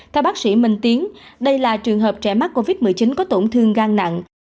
theo bác sĩ minh tiến đây là trường hợp trẻ mắc covid một mươi chín có tổn thương gan nặng